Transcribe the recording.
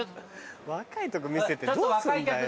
若いとこ見せてどうすんだよ。